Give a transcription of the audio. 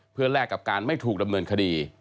เพื่อแลกกับการไม่ถูกดำเนินคดี